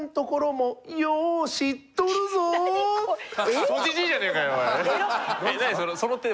⁉クソじじいじゃねえかよおい！